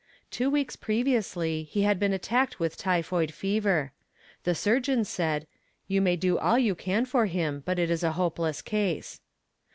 Two weeks previously he had been attacked with typhoid fever. The surgeon said, "You may do all you can for him, but it is a hopeless case."